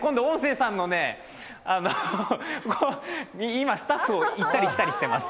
今、スタッフを行ったり来たりしてます。